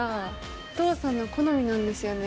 お父さんの好みなんですよね